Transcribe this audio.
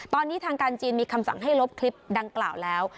ตอนนี้ทางการจีนมีคำสั่งให้ลบคลิปดังกล่าวแล้ว